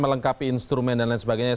melengkapi instrumen dan lain sebagainya